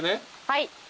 はい。